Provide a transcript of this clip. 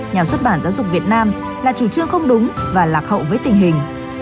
nhà xuất bản giáo dục việt nam là chủ trương không đúng và lạc hậu với tình hình